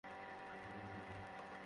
ডোরি তাই না?